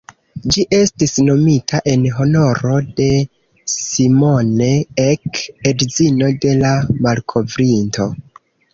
Ĝi estis nomita en honoro de "Simone Ek", edzino de la malkovrinto.